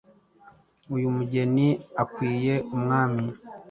Uyu mugeni akwiye umwami;